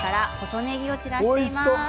細ねぎを散らしています。